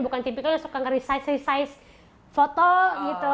bukan tipikal yang suka nge resize resize foto gitu